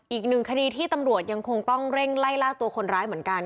อีกหนึ่งคดีที่ตำรวจยังคงต้องเร่งไล่ล่าตัวคนร้ายเหมือนกัน